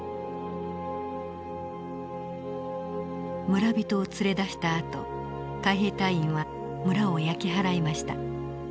村人を連れ出したあと海兵隊員は村を焼き払いました。